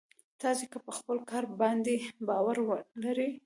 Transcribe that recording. تاسې که په خپل کار باندې باور لرئ.